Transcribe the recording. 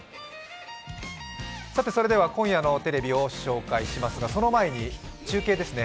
今夜のテレビを紹介しますがその前に中継ですね。